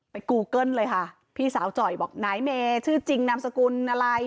กูเกิ้ลเลยค่ะพี่สาวจ่อยบอกนายเมชื่อจริงนามสกุลอะไร